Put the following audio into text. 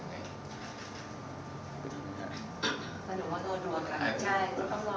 ก็ต้องดูวันต่อวันเลยครับ